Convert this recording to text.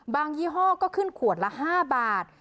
ยี่ห้อก็ขึ้นขวดละ๕บาท